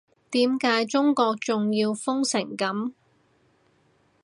點解中國仲要封成噉